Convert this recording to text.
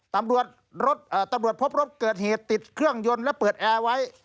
ตำรวจรถตำรวจพบรถเกิดเหตุติดเครื่องยนต์และเปิดแอร์ไว้